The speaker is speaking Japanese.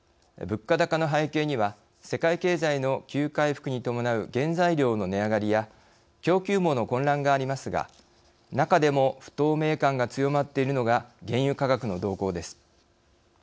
物価高の背景には世界経済の急回復に伴う原材料の値上がりや供給網の混乱がありますが中でも不透明感が強まっているのが原油価格の動向です。